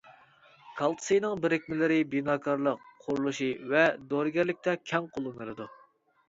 كالتسىينىڭ بىرىكمىلىرى بىناكارلىق قۇرۇلۇشى ۋە دورىگەرلىكتە كەڭ قوللىنىلىدۇ.